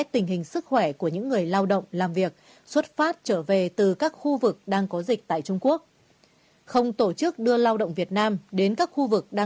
tình hình sức khỏe của những người lao động làm việc xuất phát trở về từ các khu vực đang có dịch